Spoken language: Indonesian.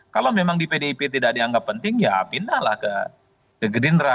kalau memang di pdip tidak dianggap penting ya pindahlah ke gerindra